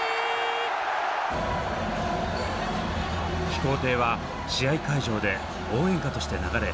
「飛行艇」は試合会場で応援歌として流れ